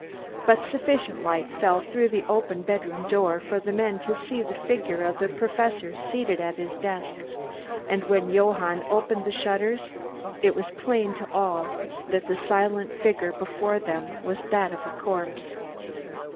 But sufficient light fell through the open bedroom door for the men to see the figure of the Professor seated at his desk, and when Johann had opened the shutters, it was plain to all that the silent figure before them was that of a corpse.